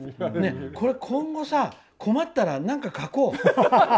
今後さ、困ったら何か書こう。